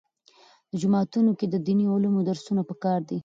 په جوماتونو کې د دیني علومو درسونه پکار دي.